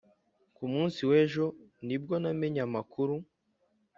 ku munsi w'ejo ni bwo namenye amakuru. (